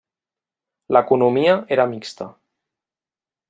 L'economia era mixta.